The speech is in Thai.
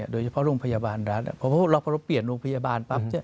โดยเฉพาะโรงพยาบาลรัฐพอเราเปลี่ยนโรงพยาบาลปั๊บ